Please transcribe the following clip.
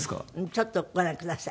ちょっとご覧ください。